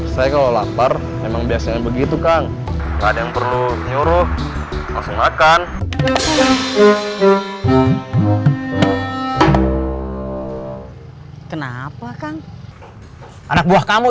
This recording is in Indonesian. saya kalau lapar emang biasanya begitu kang ada yang perlu nyuruh langsung makan kenapa kang anak buah kamu